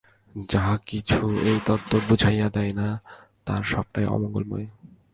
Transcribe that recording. যাহা কিছু এই তত্ত্ব বুঝাইয়া দেয় না, তাহার সবটাই অমঙ্গলময়।